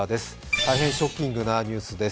大変ショッキングなニュースです